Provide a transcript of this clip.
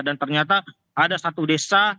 dan ternyata ada satu desa